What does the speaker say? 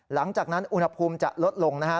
หลังจากนั้นอุณหภูมิจะลดลงนะฮะ